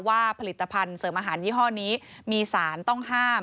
ผลิตภัณฑ์เสริมอาหารยี่ห้อนี้มีสารต้องห้าม